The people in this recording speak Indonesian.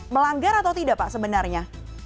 melanggar atau tidak pak sebenarnya